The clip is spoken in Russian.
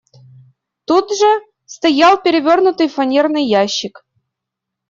Тут же стоял перевернутый фанерный ящик.